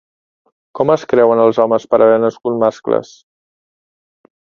Com es creuen els homes per haver nascut mascles?